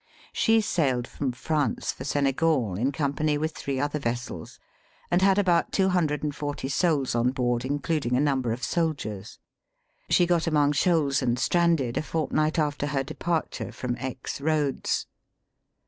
She sailed from France for Senegal, in company with three oilier ve. sels, and had about two hundred and forty souls on board, including a number of soldiers. She got anion>,' shoals and stranded, a fortnight after her de parture from Alx Roads.